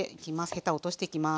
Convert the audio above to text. ヘタを落としていきます。